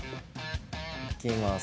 いきます。